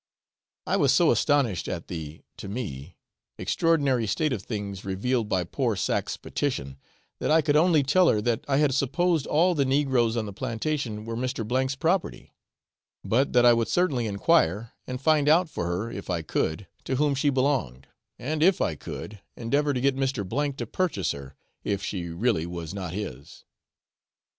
I was so astonished at the (to me) extraordinary state of things revealed by poor Sack's petition, that I could only tell her that I had supposed all the negroes on the plantation were Mr. 's property, but that I would certainly enquire, and find out for her if I could to whom she belonged, and if I could, endeavour to get Mr. to purchase her, if she really was not his.